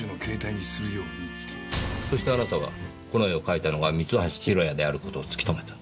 そしてあなたはこの絵を描いたのが三橋弘也である事を突き止めた。